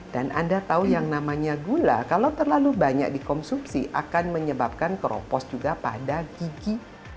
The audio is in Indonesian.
dan anda tahu yang namanya gula kalau terlalu banyak dikonsumsi akan menyebabkan keropos juga pada gigi